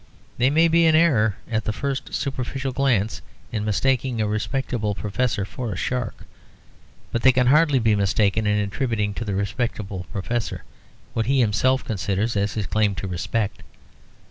They may be in error, at the first superficial glance, in mistaking a respectable professor for a shark. But they can hardly be mistaken in attributing to the respectable professor what he himself considers as his claims to respect.